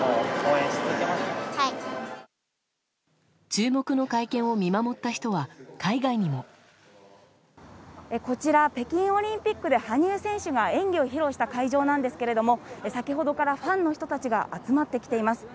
注目の会見を見守った人は海外にも。こちら、北京オリンピックで羽生選手が演技を披露した会場なんですけれども先ほどからファンの人たちが集まってきています。